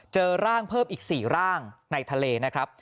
เจอร่างเพิ่มอีก๔ร่างในทะเลนะครับ